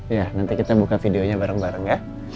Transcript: iya nanti kita buka videonya bareng bareng ya